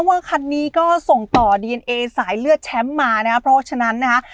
เวอร์คันนี้ก็ส่งต่อดีเอนเอสายเลือดแชมป์มานะครับเพราะฉะนั้นนะคะ